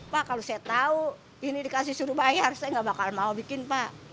pak kalau saya tahu ini dikasih suruh bayar saya nggak bakal mau bikin pak